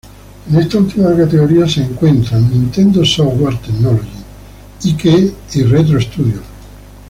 En esta última categoría se encuentran Nintendo Software Technology, iQue y Retro Studios.